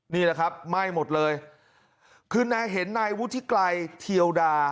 นี่แหละครับไหม้หมดเลยคือนายเห็นนายวุฒิไกรเทียวดา